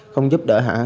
không giúp đỡ hả